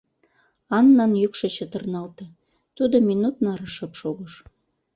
— Аннан йӱкшӧ чытырналте, тудо минут наре шып шогыш.